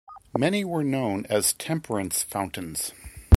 Many were known as temperance fountains.